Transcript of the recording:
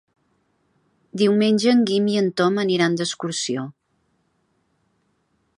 Diumenge en Guim i en Tom aniran d'excursió.